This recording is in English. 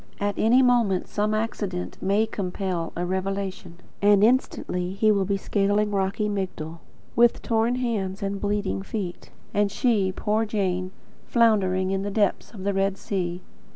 At any moment some accident may compel a revelation; and instantly HE will be scaling rocky Migdol, with torn hands and bleeding feet; and she poor Jane floundering in the depths of the Red Sea.